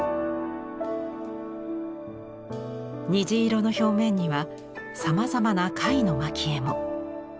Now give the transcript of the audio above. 虹色の表面にはさまざまな貝の蒔絵も。